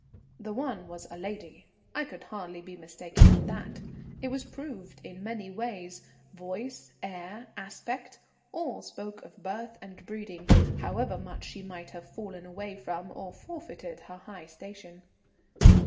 The one was a lady, I could hardly be mistaken in that; it was proved in many ways, voice, air, aspect, all spoke of birth and breeding, however much she might have fallen away from or forfeited her high station.